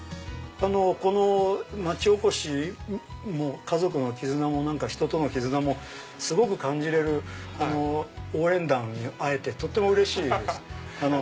この町おこしも家族の絆も人との絆もすごく感じれる応援団に会えてとってもうれしいです。